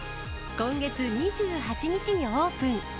今月２８日にオープン。